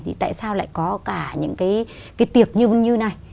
thì tại sao lại có cả những cái tiệc như này